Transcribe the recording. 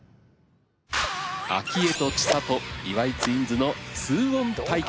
明愛と千怜岩井ツインズの２オン対決。